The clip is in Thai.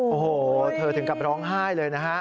โอ้โหเธอถึงกับร้องไห้เลยนะฮะ